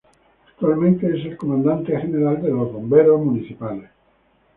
Actualmente es el comandante general de los Bomberos Municipales.